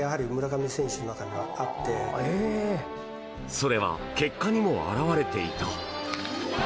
それは結果にも表れていた。